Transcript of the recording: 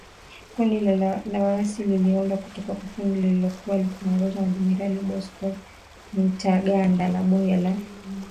Kundi la waasi liliundwa kutoka kwa kundi lililokuwa likiongozwa na Generali Bosco Ntaganda, la Bunge la Taifa la Ulinzi wa Wananchi.